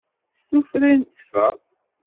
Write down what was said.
S tufra i nteffeɣ.